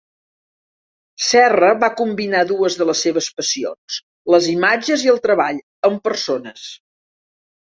Serra va combinar dues de les seves passions: les imatges i el treball amb persones.